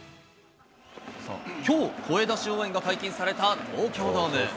きょう、声出し応援が解禁された東京ドーム。